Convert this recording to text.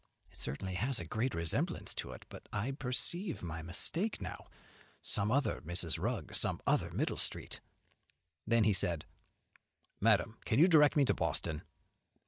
It certainly has a great resemblance to it; but I perceive my mistake now. Some other Mrs. Rugg, some other Middle Street." Then said he, "Madam, can you direct me to Boston?"